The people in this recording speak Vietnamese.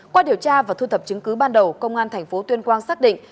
qua điều tra và thu thập chứng cứ ban đầu công an tp tuyên quang xác định